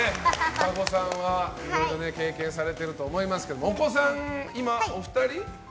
加護さんはいろいろ経験されていると思いますけどお子さん、今お二人？